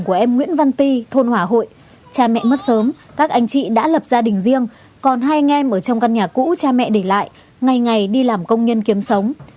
cha mẹ mất sớm các anh chị đã lập gia đình riêng còn hai anh em ở trong căn nhà cũ cha mẹ để lại ngày ngày đi làm công nhân kiếm sống